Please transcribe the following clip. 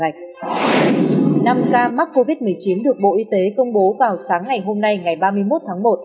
năm ca mắc covid một mươi chín được bộ y tế công bố vào sáng ngày hôm nay ngày ba mươi một tháng một